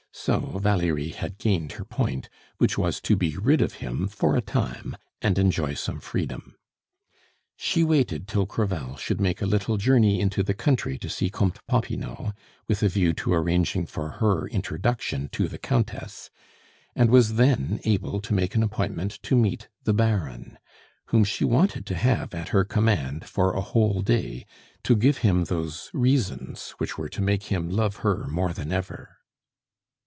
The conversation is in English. So Valerie had gained her point, which was to be rid of him for a time, and enjoy some freedom. She waited till Crevel should make a little journey into the country to see Comte Popinot, with a view to arranging for her introduction to the Countess, and was then able to make an appointment to meet the Baron, whom she wanted to have at her command for a whole day to give him those "reasons" which were to make him love her more than ever.